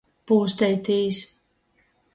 Pūsteitīs.